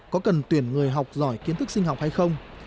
có cần tuyển người học giỏi kiến thức sinh học hay không